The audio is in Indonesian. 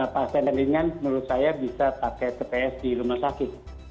pasien yang ringan menurut saya bisa pakai tps di rumah sakit